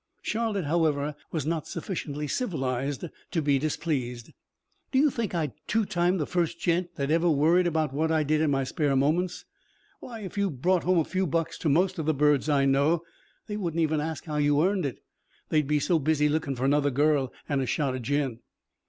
Charlotte, however, was not sufficiently civilized to be displeased. "Do you think I'd two time the first gent that ever worried about what I did in my spare moments? Why, if you brought home a few bucks to most of the birds I know, they wouldn't even ask how you earned it they'd be so busy lookin' for another girl an' a shot of gin."